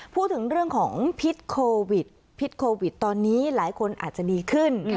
พูดถึงเรื่องของพิษโควิดพิษโควิดตอนนี้หลายคนอาจจะดีขึ้น